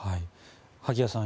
萩谷さん